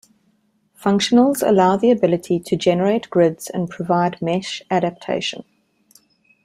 Functionals allow the ability to generate grids and provide mesh adaptation.